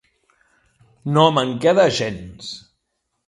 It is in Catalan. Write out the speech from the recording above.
No me'n queda gens.